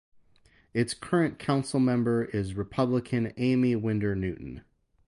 Its current councilmember is Republican Aimee Winder Newton.